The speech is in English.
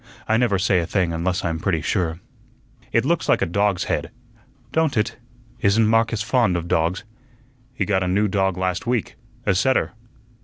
I never say a thing unless I'm pretty sure." "It looks like a dog's head." "Don't it? Isn't Marcus fond of dogs?" "He got a new dog last week a setter."